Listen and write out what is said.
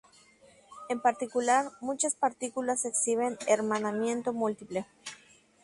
En particular, muchas partículas exhiben hermanamiento múltiple.